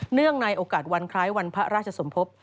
เนื่องในโอกาสวันคล้ายวันพระราชสมภพ